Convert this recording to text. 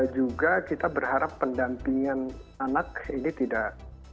juga kita berharap pendampingan anak ini tidak